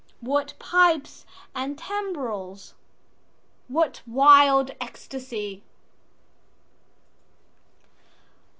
What pipes and timbrels? What wild ecstasy?